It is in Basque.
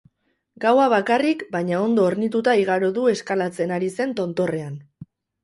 Gaua bakarrik baina ondo hornituta igaro du eskalatzen ari zen tontorrean.